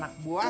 mau foto berdua